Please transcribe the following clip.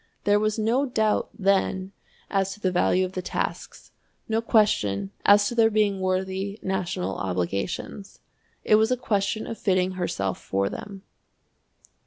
There was no doubt, then, as to the value of the tasks, no question as to their being worthy national obligations. It was a question of fitting herself for them.